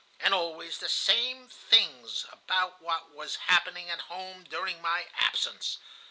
And always the same things about what was happening at home during my absence.